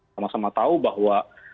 sama sama tahu bahwa